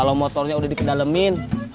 kalau motornya udah dikendalemin